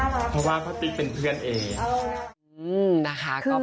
เพราะว่าพะติเป็นเพื่อนเอง